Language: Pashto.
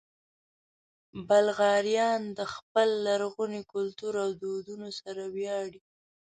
بلغاریان د خپل لرغوني کلتور او دودونو سره ویاړي.